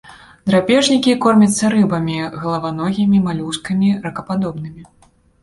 Драпежнікі, кормяцца рыбамі, галаваногімі малюскамі, ракападобнымі.